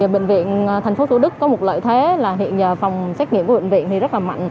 bệnh viện thành phố thủ đức có một lợi thế là hiện giờ phòng xét nghiệm của bệnh viện thì rất là mạnh